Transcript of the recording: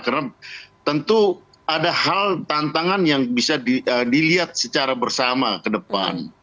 karena tentu ada hal tantangan yang bisa dilihat secara bersama ke depan